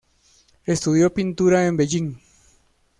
Estudió pintura en Beijing.